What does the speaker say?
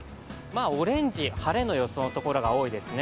オレンジ、晴れの予想のところが多いですね。